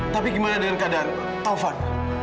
tapi gimana dengan keadaan taufan